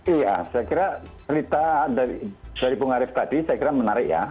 iya saya kira cerita dari bung arief tadi saya kira menarik ya